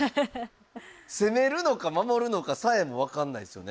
攻めるのか守るのかさえも分かんないですよね。